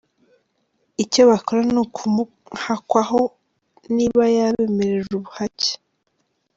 Icyo bakora ni ukumuhakwaho, niba yabemerera ubuhake.